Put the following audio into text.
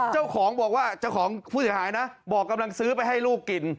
เจ้าของพูดถือสักทีบอกกำลังซื้อไปให้ลูกกิน